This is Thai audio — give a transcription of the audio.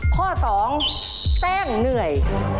ข้อสองแซ่งเหนื่อย